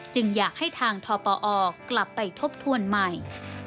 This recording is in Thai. อยากให้ทางทปอกลับไปทบทวนใหม่